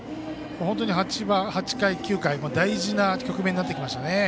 本当に８回、９回大事な局面になってきましたね。